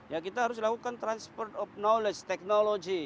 ya kita harus lakukan transfer of knowledge teknologi